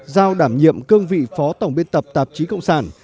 giao đảm nhiệm cương vị phó tổng biên tập tạp chí cộng sản